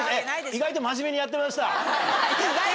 意外とまじめにやってました。